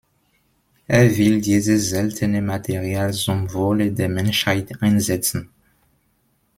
Er will dieses seltene Material zum Wohle der Menschheit einsetzen.